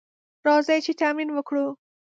راځئ چې تمرين وکړو.